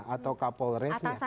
atau kapol resnya